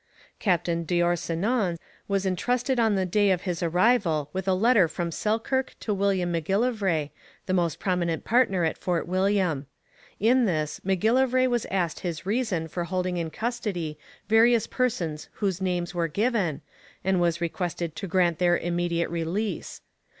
Captain D'Orsonnens was entrusted on the day of his arrival with a letter from Selkirk to William M'Gillivray, the most prominent partner at Fort William. In this M'Gillivray was asked his reason for holding in custody various persons whose names were given, and was requested to grant their immediate release.